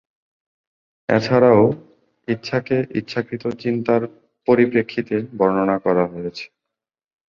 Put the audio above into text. এছাড়াও, ইচ্ছাকে ইচ্ছাকৃত চিন্তার পরিপ্রেক্ষিতে বর্ণনা করা হয়েছে।